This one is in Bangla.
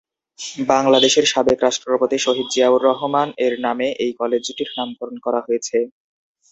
বাংলাদেশের সাবেক রাষ্ট্রপতি শহীদ জিয়াউর রহমান এর নামে এই কলেজটির নামকরণ করা হয়েছে।